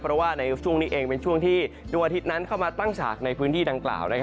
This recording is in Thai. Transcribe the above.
เพราะว่าในช่วงนี้เองเป็นช่วงที่ดวงอาทิตย์นั้นเข้ามาตั้งฉากในพื้นที่ดังกล่าว